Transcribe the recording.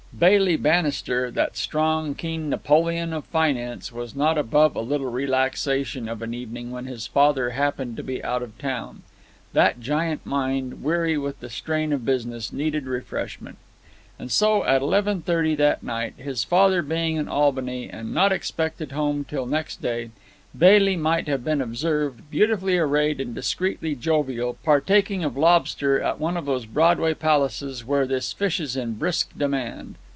Bailey Bannister, that strong, keen Napoleon of finance, was not above a little relaxation of an evening when his father happened to be out of town. That giant mind, weary with the strain of business, needed refreshment. And so, at eleven thirty that night, his father being in Albany, and not expected home till next day, Bailey might have been observed, beautifully arrayed and discreetly jovial, partaking of lobster at one of those Broadway palaces where this fish is in brisk demand.